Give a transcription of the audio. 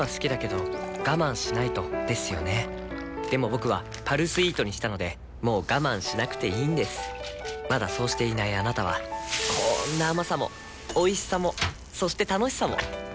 僕は「パルスイート」にしたのでもう我慢しなくていいんですまだそうしていないあなたはこんな甘さもおいしさもそして楽しさもあちっ。